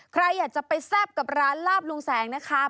ใครอยากจะไปแซ่บกับร้านลาบลุงแสงนะคะ